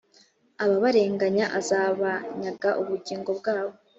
ababarenganya azabanyaga ubugingo bwabo